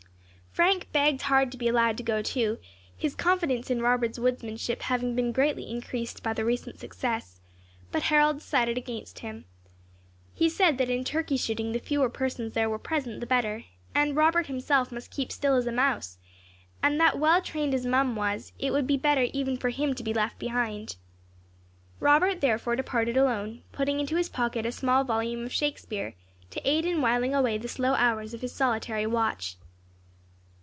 Frank begged hard to be allowed to go too, his confidence in Robert's woodsmanship having been greatly increased by the recent success; but Harold decided against him. He said that in turkey shooting the fewer persons there were present the better; that Robert himself must keep still as a mouse, and that well trained as Mum was, it would be better even for him to be left behind. Robert therefore departed alone, putting into his pocket a small volume of Shakespeare, to aid in whiling away the slow hours of his solitary watch.